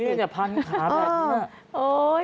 นี่เนี่ยพันขาแบบนี้นะ